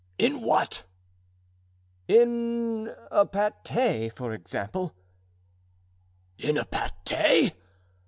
In what?" "In a pate, for example." "In a pate?"